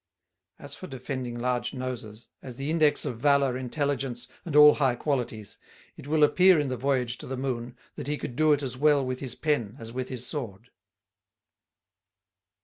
As for defending large noses, as the index of valor, intelligence, and all high qualities, it will appear in the Voyage to the Moon that he could do it as well with his pen as with his sword.